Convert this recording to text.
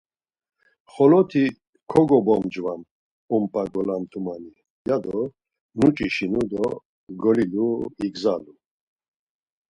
Xolotti kogobomcvam ump̌a golamtumani, ya do nuç̌işinu, do golilu igzalu.